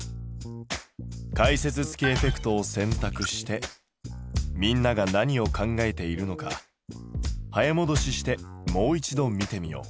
解説付きエフェクトを選択してみんなが何を考えているのか早もどししてもう一度見てみよう。